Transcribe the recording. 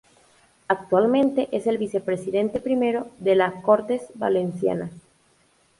Actualmente es el Vicepresidente primero de la Cortes Valencianas.